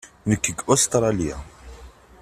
Nekk seg Ustṛalya.